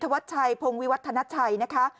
อ้อฟ้าอ้อฟ้าอ้อฟ้า